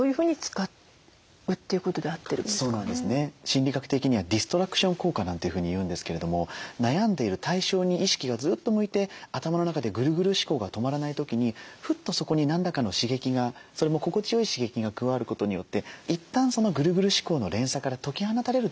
心理学的にはディストラクション効果なんていうふうに言うんですけれども悩んでいる対象に意識がずっと向いて頭の中でグルグル思考が止まらない時にフッとそこに何らかの刺激がそれも心地よい刺激が加わることによっていったんそのグルグル思考の連鎖から解き放たれるということがあって。